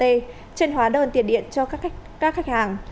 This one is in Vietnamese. trên hóa đơn tiền điện cho các khách hàng